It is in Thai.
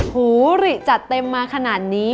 หูริจัดเต็มมาขนาดนี้